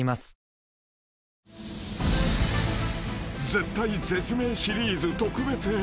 ［絶体絶命シリーズ特別編］